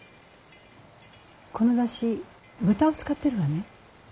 この出汁豚を使ってるわね。